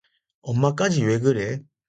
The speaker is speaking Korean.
엄마까지 왜 그래?